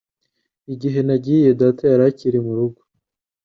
Igihe nagiye, data yari akiri mu rugo.